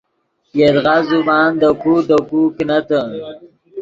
یدغا زبان دے کو دے کو کینتے